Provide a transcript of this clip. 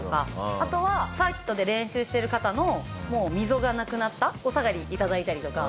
あとはサーキットで練習している方のもう溝がなくなったお下がり頂いたりとか。